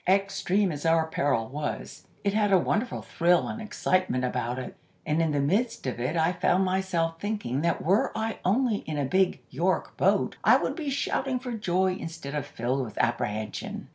"Extreme as our peril was, it had a wonderful thrill and excitement about it, and in the midst of it I found myself thinking that were I only in a big York boat I would be shouting for joy instead of filled with apprehension.